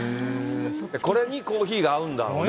これにコーヒーが合うんだろうね。